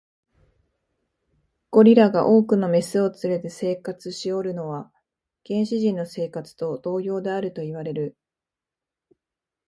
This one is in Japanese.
ゴリラが多くの牝を連れて生活しおるのは、原始人の生活と同様であるといわれる。